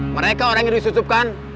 mereka orang yang disusupkan